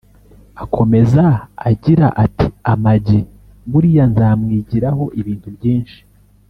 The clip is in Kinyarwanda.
Akomeza agira ati “Ama G buriya nzamwigiraho ibintu byinshi